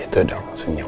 itu dong senyum